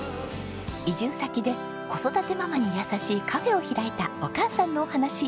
移住先で子育てママに優しいカフェを開いたお母さんのお話。